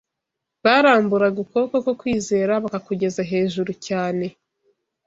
Baramburaga ukuboko ko kwizera bakakugeza hejuru cyane